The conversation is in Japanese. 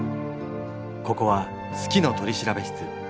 ここは「好きの取調室」。